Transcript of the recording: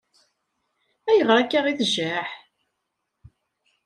Ayɣer akka i tjaḥ?